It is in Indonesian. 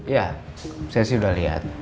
ya saya sih sudah lihat